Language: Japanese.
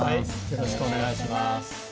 よろしくお願いします。